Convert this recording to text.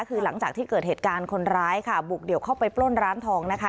คือหลังจากที่เกิดเหตุการณ์คนร้ายค่ะบุกเดี่ยวเข้าไปปล้นร้านทองนะคะ